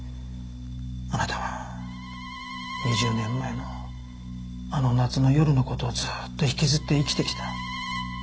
あなたは２０年前のあの夏の夜の事をずっと引きずって生きてきた。